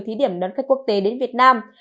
thí điểm đón khách quốc tế đến việt nam